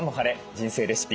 人生レシピ」